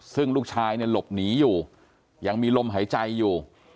ซึ่งลูกชายเนี่ยหลบหนีอยู่ยังมีลมหายใจอยู่